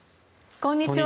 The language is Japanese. こんにちは。